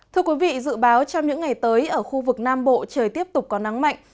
thưa quý vị dự báo trong những ngày tới ở khu vực nam bộ trời tiếp tục có nắng mạnh